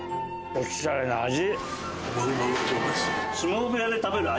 おしゃれな味！